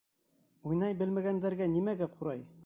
Уйнай белмәгәндәргә нимәгә ҡурай?